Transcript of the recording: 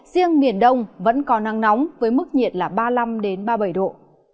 riêng miền đông vẫn có nắng nóng với mức nhiệt là ba mươi năm ba mươi bảy độ